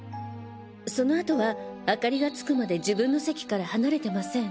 その後は明かりがつくまで自分の席から離れてません。